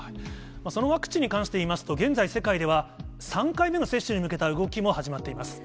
そのワクチンに関していいますと、現在、世界では３回目の接種に向けた動きも始まっています。